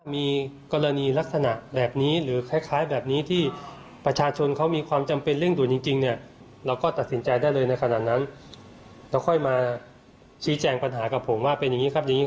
พี่แจ้งปัญหากับผมว่าเป็นอย่างนี้ครับ